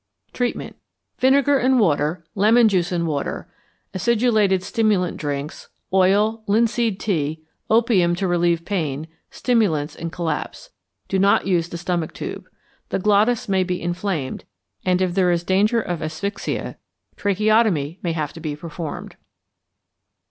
Treatment. Vinegar and water, lemon juice and water, acidulated stimulant drinks, oil, linseed tea, opium to relieve pain, stimulants in collapse. Do not use the stomach tube. The glottis may be inflamed, and if there is danger of asphyxia, tracheotomy may have to be performed.